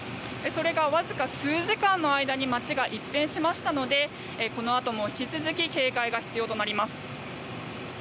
それが、わずか数時間の間に街が一変しましたのでこのあとも引き続き警戒が必要となります。